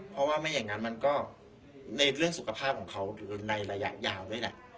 เพราะว่าไม่อย่างนั้นมันก็ในเรื่องสุขภาพของเขาหรือในระยะยาวด้วยแหละ